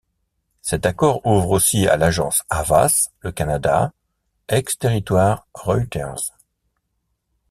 Cet accord ouvre aussi à l'Agence Havas le Canada, ex-territoire Reuters.